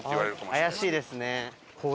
怪しいですね。